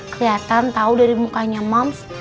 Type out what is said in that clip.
keliatan tau dari mukanya mams